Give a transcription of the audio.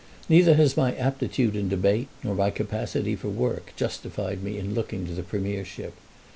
Neither has my aptitude in debate nor my capacity for work justified me in looking to the premiership.